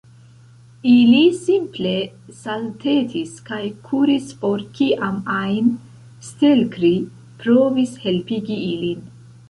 Ili simple saltetis kaj kuris for kiam ajn Stelkri provis helpigi ilin.